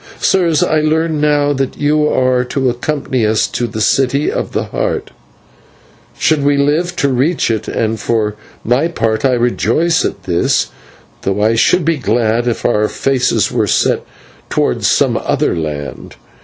Sirs, I learn now that you are to accompany us to the City of the Heart, should we live to reach it, and for my own part I rejoice at this, though I should be glad if our faces were set towards some other land.